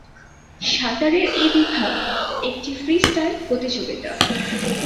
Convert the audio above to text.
সাঁতারের এই বিভাগ একটি ফ্রিস্টাইল প্রতিযোগিতা।